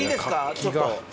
ちょっと。